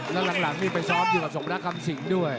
แล้วหลังนี่ไปชอบอยู่กับสกนาคัมสิงด้วย